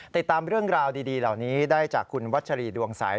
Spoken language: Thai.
ติดตามเรื่องราวดีเหล่านี้ได้จากคุณวัชรีดวงใส